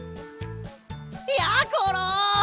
やころ！